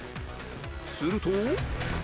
すると